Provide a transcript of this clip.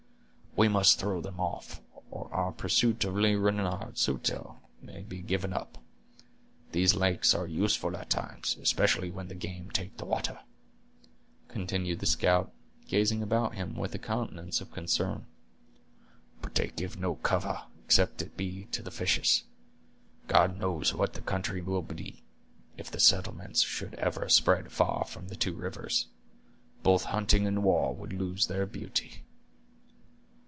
We must throw them off, or our pursuit of Le Renard Subtil may be given up. These lakes are useful at times, especially when the game take the water," continued the scout, gazing about him with a countenance of concern; "but they give no cover, except it be to the fishes. God knows what the country would be, if the settlements should ever spread far from the two rivers. Both hunting and war would lose their beauty."